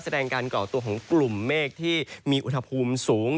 แสดงการก่อตัวของกลุ่มเมฆที่มีอุณหภูมิสูง